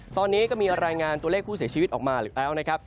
ตอนนี้ก็มีรายงานตัวเลขผู้เสียชีวิตออกมาแล้วนะครับ